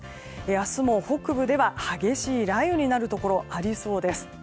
明日も北部では激しい雷雨になるところがありそうです。